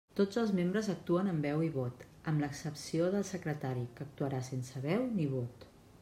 Tots els membres actuen amb veu i vot, amb l'excepció del secretari, que actuarà sense veu ni vot.